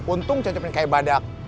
untung cecepnya kayak badak